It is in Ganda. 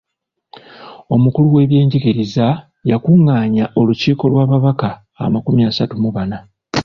Omukulu w’ebyenjigiriza yakungaanya olukiiko lw'ababaka amakumi asatu mu bana.